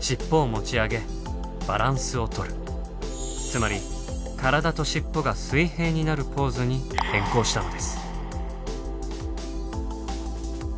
つまり体と尻尾が水平になるポーズに変更したのです。